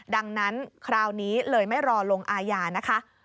ดังนั้นคราวนี้เลยไม่รอลงอาญานะคะ